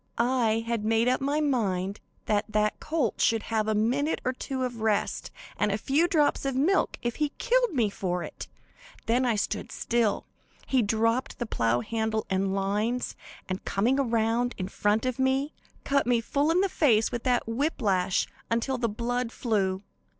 I had made up my mind that that colt should have a minute or two of rest and a few drops of milk if he killed me for it. When I stood still he dropped the plow handle and lines, and, coming around in front of me, cut me full in the face with that whip lash until the blood flew.